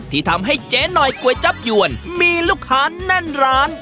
ที่ทำให้เจ๊หน่อยก๋วยจับยวนมีลูกค้าแน่นร้าน